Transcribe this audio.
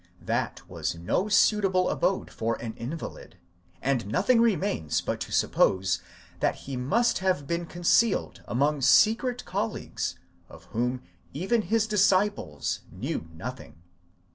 That was no suitable abode for an invalid, and nothing remains but to suppose that he must have been concealed among secret colleagues of whom even his disciples knew nothing.